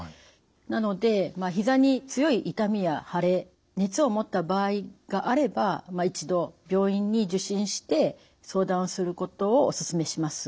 なのでひざに強い痛みや腫れ熱をもった場合があれば一度病院に受診して相談することをおすすめします。